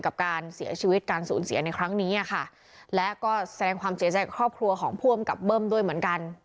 กับการเสียชีวิตการสูญเสียในครั้งนี้อ่ะค่ะและก็แสดงความเสียใจกับครอบครัวของผู้อำกับเบิ้มด้วยเหมือนกัน